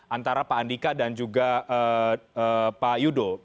antara pak andika dan juga pak yudo